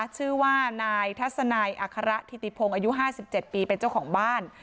ชื่อว่านายทัศนายอาระทิติพงอายุห้าสิบเจ็บปีเป็นเจ้าของบ้าน